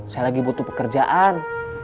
saya lagi butuh pekerjaan